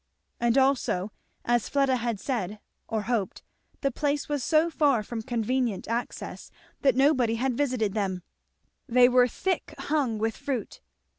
And also as Fleda had said, or hoped, the place was so far from convenient access that nobody had visited them; they were thick hung with fruit.